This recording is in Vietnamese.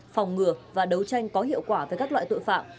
phòng ngừa và đấu tranh có hiệu quả với các loại tội phạm